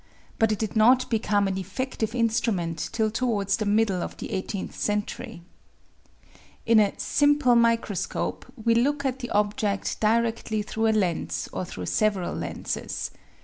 But it did not be come an effective instrument till towards the middle of the eighteenth century. In a "simple" microscope we look at the object directly through a lens or through several lenses.